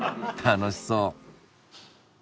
楽しそう。